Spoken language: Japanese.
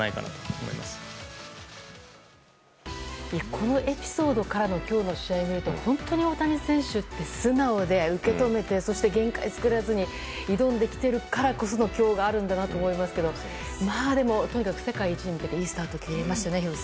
このエピソードからの今日の試合を見ると本当に大谷選手って素直で、受け止めてそして限界を作らずに挑んできているからこその今日があるんだなと思いますがとにかく世界一に向けていいスタートを切りましたね。